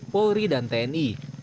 polri dan tni